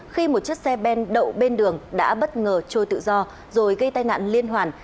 khi một chiếc xe ben đậu bên đường đã bất ngờ trôi tự do rồi gây tai nạn liên hoàn